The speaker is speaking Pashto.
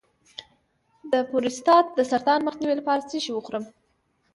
د پروستات د سرطان مخنیوي لپاره څه شی وخورم؟